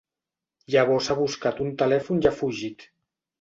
Llavors ha buscat un telèfon i ha fugit.